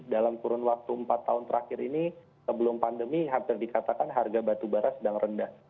dalam kurun waktu empat tahun terakhir ini sebelum pandemi hampir dikatakan harga batubara sedang rendah